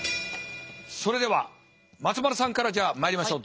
それでは松丸さんからじゃあまいりましょう。